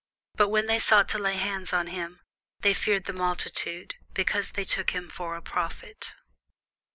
But when they sought to lay hands on him, they feared the multitude, because they took him for a prophet.